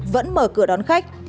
vẫn mở cửa đón khách